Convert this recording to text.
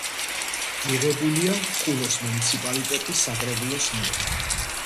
მიღებულია ხულოს მუნიციპალიტეტის საკრებულოს მიერ.